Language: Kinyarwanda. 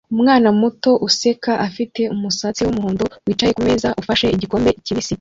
Umwana muto useka ufite umusatsi wumuhondo wicaye kumeza ufashe igikombe kibisi